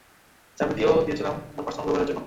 চাবি তোমাকেও দিয়েছিলাম, তোমার পার্সোনাল ব্যবহারের জন্য।